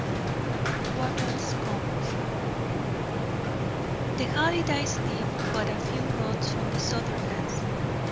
XII WATTLES COMES The Hallidays lived but a few rods from the Sutherlands.